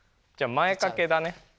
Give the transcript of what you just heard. じゃ前かけだね。